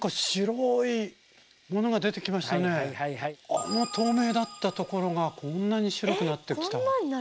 あの透明だったところがこんなに白くなってきた。